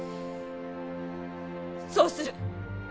そうする。